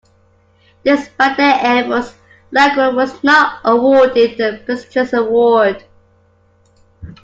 Despite their efforts, Laguerre was not awarded the prestigious award.